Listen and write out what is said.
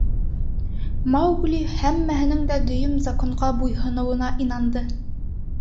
Маугли һәммәһенеңдә дөйөм Законға буйһоноуына инанды.